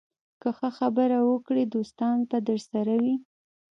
که ښه خبرې وکړې، دوستان به درسره وي